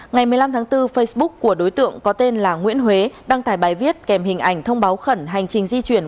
ngày một mươi năm tháng bốn facebook của đối tượng có tên là nguyễn huế đăng tải bài viết kèm hình ảnh thông báo khẩn hành trình di chuyển